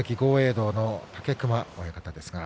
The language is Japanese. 道の武隈親方です。